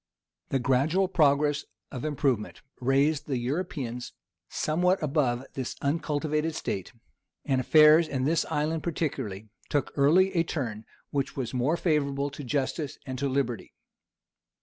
The gradual progress of improvement raised the Europeans somewhat above this uncultivated state; and affairs, in this island particularly, took early a turn which was more favorable to justice and to liberty.